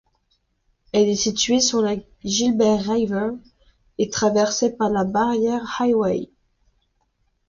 Elle est située sur la Gilbert River et traversée par la Barrier Highway.